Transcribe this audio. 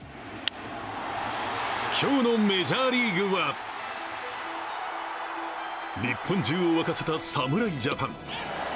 今日のメジャーリーグは、日本中を沸かせた侍ジャパン。